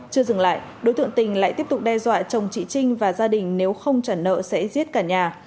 chưa dừng lại đối tượng tình lại tiếp tục đe dọa chồng chị trinh và gia đình nếu không trả nợ sẽ giết cả nhà